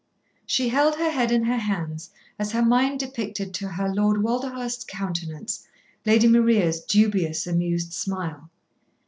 She held her head in her hands as her mind depicted to her Lord Walderhurst's countenance, Lady Maria's dubious, amused smile.